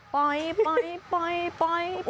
ปล่อยเปิดปล่อย